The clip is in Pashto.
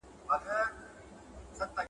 ولسمشر سوداګریزه هوکړه نه لغوه کوي.